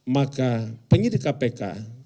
maka penyidik kpk